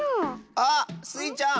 あっスイちゃん！